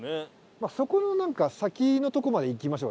そこの先のとこまで行きましょう。